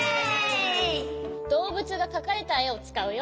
どうぶつがかかれたえをつかうよ。